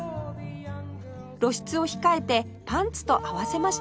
露出を控えてパンツと合わせました